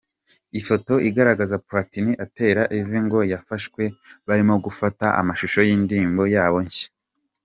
Ifoto igaragaza Platini atera ivi ngo yafashwe barimo gufata amashusho y’indirimbo yabo nshya.